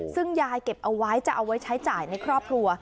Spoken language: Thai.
ซึ่งยายเก็บเอาไว้จะเอาไว้ใช้จ่ายในครอบครัว